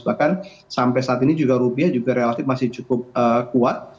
bahkan sampai saat ini juga rupiah juga relatif masih cukup kuat